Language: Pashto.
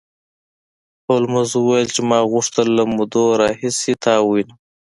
هولمز وویل چې ما غوښتل له مودې راهیسې تا ووینم